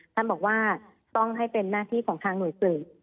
ท่านบอกว่าต้องให้เป็นหน้าที่ของทางหน่วยสื่อ